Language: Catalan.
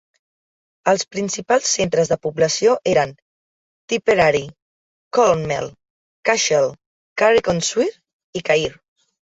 Els principals centres de població eren Tipperary, Clonmel, Cashel, Carrick-on-Suir i Cahir.